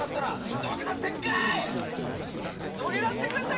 土下座してください。